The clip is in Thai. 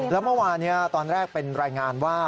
แล้วเมื่อวานนี้ตอนแรกเป็นรายงานว่า